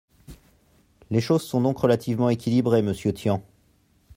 Les choses sont donc relativement équilibrées, monsieur Tian.